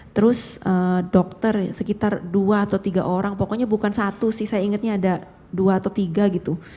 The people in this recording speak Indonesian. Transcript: terus dokter sekitar dua atau tiga orang pokoknya bukan satu sih saya ingatnya ada dua atau tiga gitu